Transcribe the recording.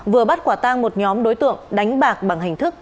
vừa bắt quả tang một nhóm đối tượng đánh bạc bằng hình thức